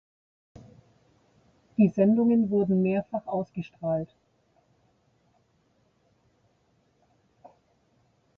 Die Sendungen wurden mehrfach ausgestrahlt.